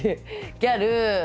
「ギャル」